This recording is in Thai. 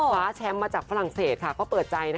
คว้าแชมป์มาจากฝรั่งเศสก็เปิดใจ